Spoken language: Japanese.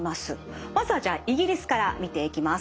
まずはじゃあイギリスから見ていきます。